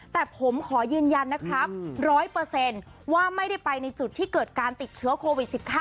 แต่ผมขอยืนยันนะครับ๑๐๐ว่าไม่ได้ไปในจุดที่เกิดการติดเชื้อโควิด๑๙